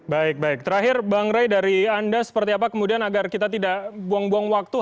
baik baik terakhir bang ray dari anda seperti apa kemudian agar kita tidak buang buang waktu